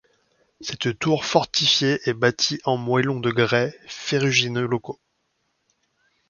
Cette tour fortifiée est bâtie en moellons de grès ferrugineux locaux.